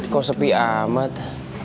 kok sepi amat